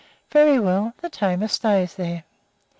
Very well; the tamer stays there.